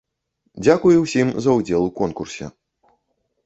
Дзякуй усім за ўдзел у конкурсе.